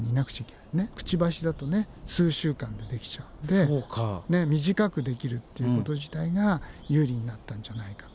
くちばしだと数週間でできちゃうんで短くできるっていうこと自体が有利になったんじゃないかと。